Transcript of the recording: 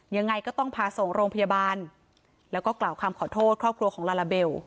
ยังไงก็ต้องพาส่งโรงพยาบาลแล้วก็กล่าวคำขอโทษครอบครัวของลาลาเบล